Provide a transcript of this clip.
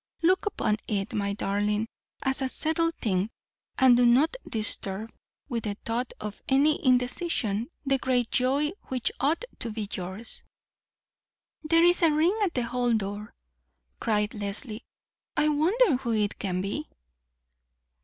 Look upon it, my darling, as a settled thing, and do not disturb, with the thought of any indecision, the great joy which ought to be yours." "There is a ring at the hall door," cried Leslie. "I wonder who it can be?"